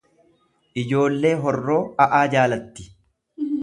Ijoollee Horroo a'aa jaalatti